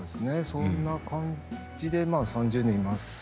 そんな感じでまあ３０年いますね。